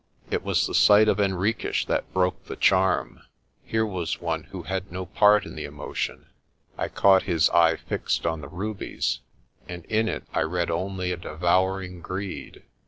It was the sight of Henriques that broke the charm. Here was one who had no part in the emotion. I caught his eye fixed on the rubies and in it I read only a devouring greed.